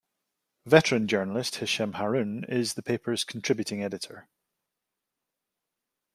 Veteran journalist Hisham Harun is the paper's Contributing Editor.